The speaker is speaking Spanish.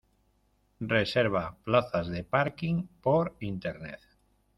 Reserva plazas de parking por Internet.